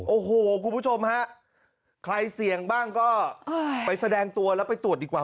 โอ้โหคุณผู้ชมฮะใครเสี่ยงบ้างก็ไปแสดงตัวแล้วไปตรวจดีกว่า